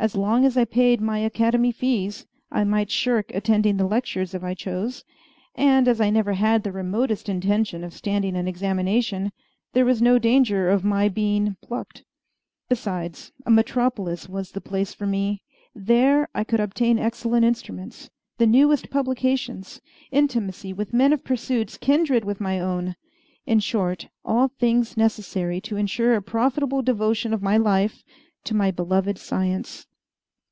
As long as I paid my Academy fees, I might shirk attending the lectures if I chose; and, as I never had the remotest intention of standing an examination, there was no danger of my being "plucked." Besides, a metropolis was the place for me. There I could obtain excellent instruments, the newest publications, intimacy with men of pursuits kindred with my own in short, all things necessary to ensure a profitable devotion of my life to my beloved science.